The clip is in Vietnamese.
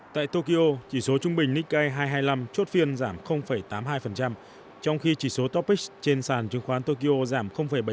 tại tokyo chỉ số trung bình nikkei hai trăm hai mươi năm chốt phiên giảm tám mươi hai trong khi chỉ số topix trên sàn chứng khoán tokyo giảm bảy